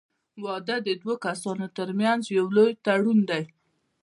• واده د دوه کسانو تر منځ یو لوی تړون دی.